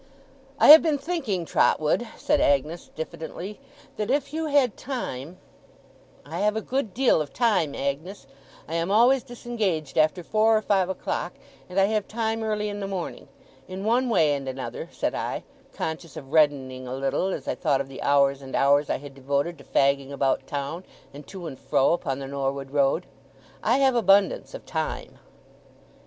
'I have been thinking, Trotwood,' said Agnes, diffidently, 'that if you had time ' 'I have a good deal of time, Agnes. I am always disengaged after four or five o'clock, and I have time early in the morning. In one way and another,' said I, conscious of reddening a little as I thought of the hours and hours I had devoted to fagging about town, and to and fro upon the Norwood Road, 'I have abundance of time.